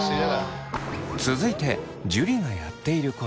続いて樹がやっていること。